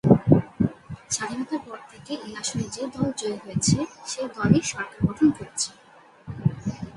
স্বাধীনতার পর থেকে এই আসনে যে দল জয়ী হয়েছে সে দল-ই সরকার গঠন করেছে।